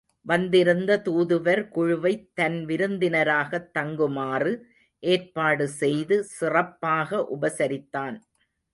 வந்திருந்த தூதுவர் குழுவைத் தன் விருந்தினராகத் தங்குமாறு ஏற்பாடு செய்து சிறப்பாக உபசரித்தான்.